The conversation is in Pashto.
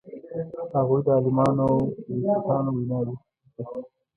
هغوی د عالمانو او فیلسوفانو ویناوی دي.